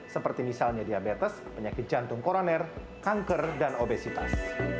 seperti misalnya diabetes penyakit jantung koroner kanker dan obesitas